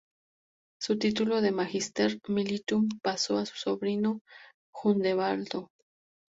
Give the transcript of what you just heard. Su título de "magister militum" pasó a su sobrino Gundebaldo.